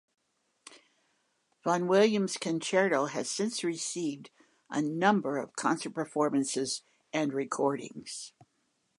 Vaughan Williams' concerto has since received a number of concert performances and recordings.